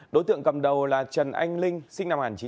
đối tượng cầm đầu là trần anh linh sinh năm hàn chí